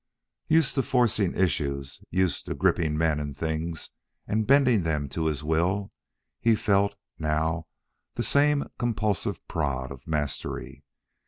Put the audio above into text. Used to forcing issues used to gripping men and things and bending them to his will, he felt, now, the same compulsive prod of mastery.